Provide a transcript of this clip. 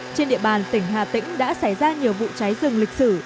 trên địa bàn tỉnh hà tĩnh đã xảy ra nhiều vụ cháy rừng lịch sử